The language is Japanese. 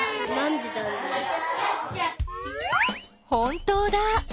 本当だ。